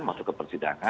masuk ke persidangan